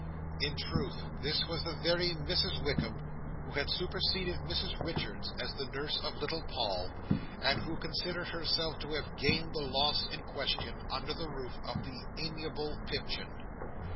In truth, this was the very Mrs Wickam who had superseded Mrs Richards as the nurse of little Paul, and who considered herself to have gained the loss in question, under the roof of the amiable Pipchin.